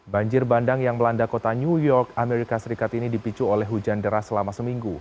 banjir bandang yang melanda kota new york amerika serikat ini dipicu oleh hujan deras selama seminggu